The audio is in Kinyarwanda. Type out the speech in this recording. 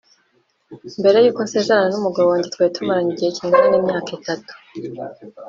mbere y’uko nsezerana n’umugabo wanjye twari tumaranye igihe kingana n’imyaka itatu